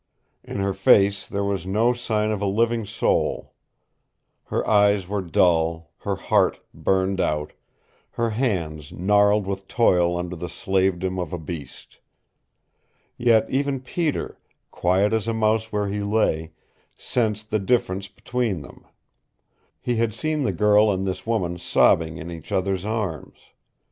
In her face there was no sign of a living soul. Her eyes were dull, her heart burned out, her hands gnarled with toil under the slavedom of a beast. Yet even Peter, quiet as a mouse where he lay, sensed the difference between them. He had seen the girl and this woman sobbing in each other's arms.